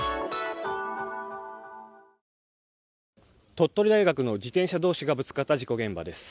鳥取大学の自転車同士がぶつかった事故現場です。